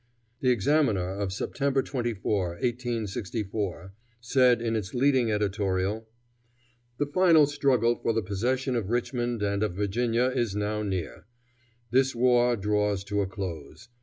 The Examiner of September 24, 1864, said in its leading editorial: "The final struggle for the possession of Richmond and of Virginia is now near. This war draws to a close.